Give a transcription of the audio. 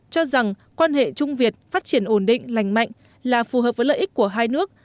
cho rằng quan hệ trung việt phát triển ổn định lành mạnh là phù hợp với lợi ích của hai nước